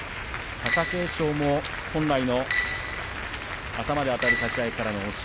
貴景勝も本来の頭であたる立ち合いからの押し